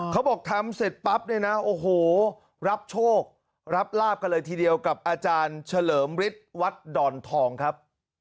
เขาบอกทำเสร็จปั๊บเนี่ยนะโอ้โหรับโชครับลาบกันเลยทีเดียวกับอาจารย์เฉลิมฤทธิ์วัดดอนทองครับ